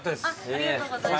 ありがとうございます。